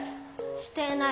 してない。